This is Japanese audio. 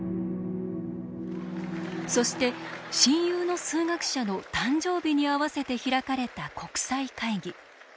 そして親友の数学者の誕生日に合わせて開かれた国際会議